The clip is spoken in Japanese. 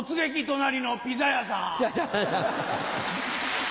隣のピザ屋さん」。